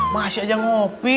masih aja ngopi